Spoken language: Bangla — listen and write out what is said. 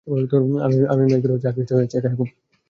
আমি মেঘ দ্বারা তোমাদের উপর ছায়া বিস্তার করলাম।